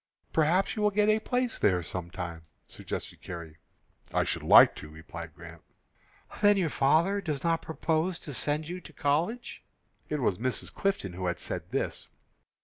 "Perhaps you will get a place there some time," suggested Carrie. "I should like to," replied Grant. "Then your father does not propose to send you to college?" It was Mrs. Clifton who said this.